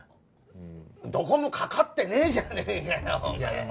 どこもかかってねえじゃねえかよおめえ！